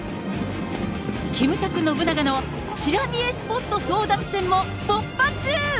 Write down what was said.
キムタク信長のちら見えスポット争奪戦も勃発。